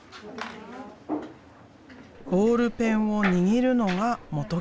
ボールペンを握るのが志基流。